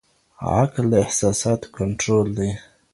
عقل د احساساتو کنټرول دی.